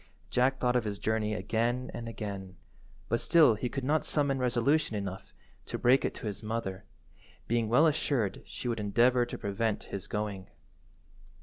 Jack thought of his journey again and again, but still he could not summon resolution enough to break it to his mother, being well assured she would endeavour to prevent his going.